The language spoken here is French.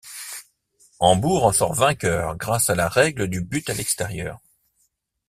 Hambourg en sort vainqueur grâce à la règle du but à l'extérieur.